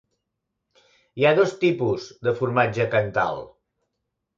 Hi ha dos tipus de formatge cantal.